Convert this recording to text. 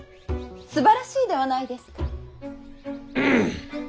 すばらしいではないですか。